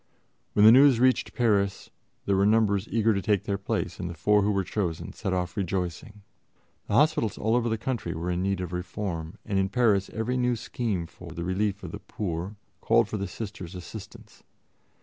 When the news reached Paris, there were numbers eager to take their place, and the four who were chosen set off rejoicing. The hospitals all over the country were in need of reform, and in Paris every new scheme for the relief of the poor called for the Sisters' assistance.